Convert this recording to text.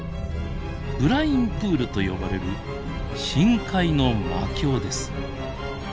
ブラインプールと呼ばれる深海の魔境です。